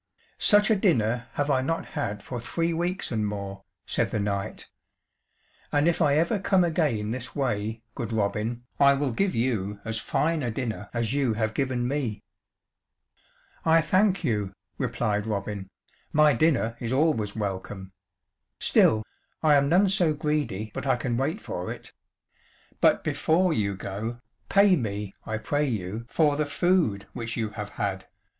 "Such a dinner have I not had for three weeks and more," said the knight. "And if I ever come again this way, good Robin, I will give you as fine a dinner as you have given me." "I thank you," replied Robin, "my dinner is always welcome; still, I am none so greedy but I can wait for it. But before you go, pay me, I pray you, for the food which you have had.